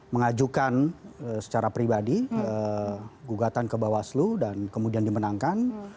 mengajukan secara pribadi gugatan ke bawaslu dan kemudian dimenangkan